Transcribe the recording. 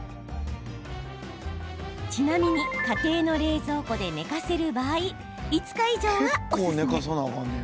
ちなみに家庭の冷蔵庫で寝かせる場合５日以上がおすすめ。